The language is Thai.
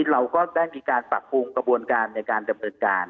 เราก็ได้มีการปรับปรุงกระบวนการในการดำเนินการ